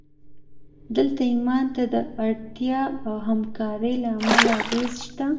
دلته ایمان ته د اړتیا او همکارۍ له امله اغېز شته